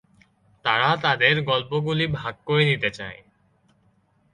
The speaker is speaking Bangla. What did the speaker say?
তারা তাদের গল্প গুলি ভাগ করে নিতে চায়।